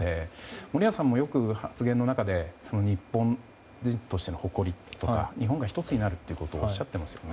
森保さんもよく発言の中で日本人としての誇りとか日本が１つになるということをおっしゃっていますよね。